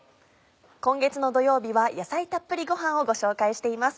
今月の土曜日は野菜たっぷりごはんをご紹介しています。